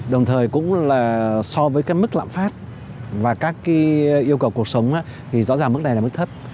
đồng thời cũng là so với cái mức lạm phát và các cái yêu cầu cuộc sống thì rõ ràng mức này là mức thấp